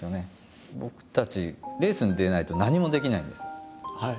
僕たちレースに出れないと何もできないんです。